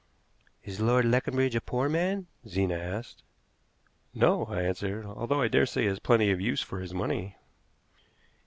"Is Lord Leconbridge a poor man?" Zena asked. "No," I answered; "although I dare say he has plenty of use for his money."